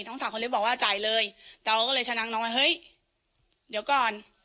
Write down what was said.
สาวคนเล็กบอกว่าจ่ายเลยแต่เราก็เลยชะงักน้องว่าเฮ้ยเดี๋ยวก่อน